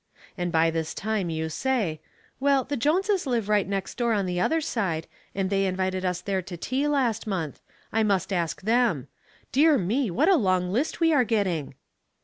And by this time you say, " Well, the Jones' live right next door on the other side, and they invited us there to tea last month; I must ask them. Dear me ! what a long list we are getting."